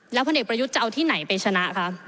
แล้วพ่อเด็กประยุทธ์จะเอาที่ไหนไปชนะ